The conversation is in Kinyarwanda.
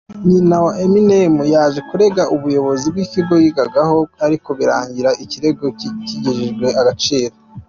Nyina wa Eminem yaje kurega ubuyobozi bw’ikigo yigagaho ariko birangira ikirego giteshejwe agaciro.